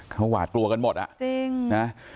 เขาหวาดกลัวกันหมดอ่ะจริงนะ